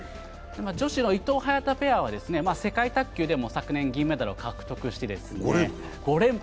女子の伊藤・早田ペアは世界卓球で昨年銀メダルを獲得して５連覇。